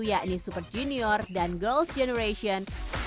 yakni super junior dan girls generation